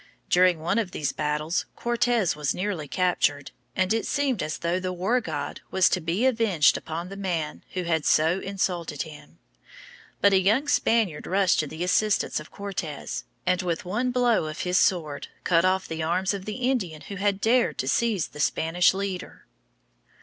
During one of these battles Cortes was nearly captured, and it seemed as though the war god was to be avenged upon the man who had so insulted him. But a young Spaniard rushed to the assistance of Cortes, and with one blow of his sword cut off the arms of the Indian who had dared to seize the Spanish leader.